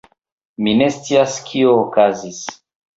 Mi ne scias kio okazis